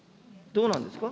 どうなんですか。